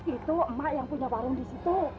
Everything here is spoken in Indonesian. itu emak yang punya warung di situ